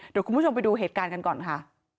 เดี๋ยวคุณผู้ชมไปดูเหตุการณ์กันก่อนค่ะ